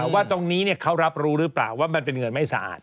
ว่าตรงนี้เขารับรู้หรือเปล่าว่ามันเป็นเงินไม่สะอาด